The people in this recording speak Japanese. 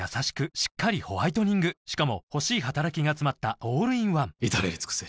しっかりホワイトニングしかも欲しい働きがつまったオールインワン至れり尽せり